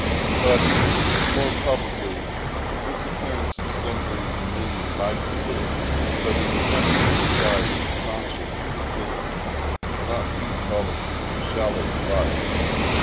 But probably this appearance of slumbering dominion might have been but an attempted disguise to conscious imbecility—not deep policy, but shallow device.